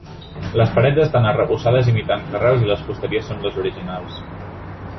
Les parets estan arrebossades imitant carreus i les fusteries són les originals.